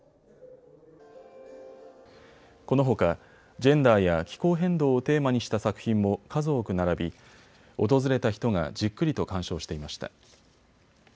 このほかジェンダーや気候変動をテーマにした作品も数多く並び訪れた人がじっくりと鑑賞していました。